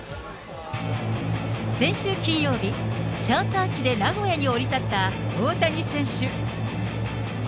先週金曜日、チャーター機で名古屋に降り立った大谷選手。